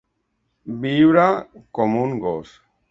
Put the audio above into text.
Viure com un gos.